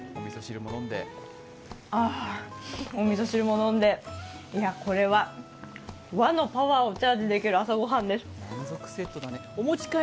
ああ、おみそ汁も飲んで、いや、これは和のパワーをチャージできる朝ごはんです。